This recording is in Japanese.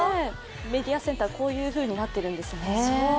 メディアセンター、こういうふうになってるんですね。